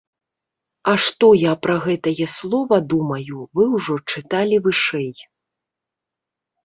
А што я пра гэтае слова думаю, вы ўжо чыталі вышэй.